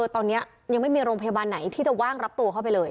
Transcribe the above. ตอนนี้ยังไม่มีโรงพยาบาลไหนที่จะว่างรับตัวเข้าไปเลย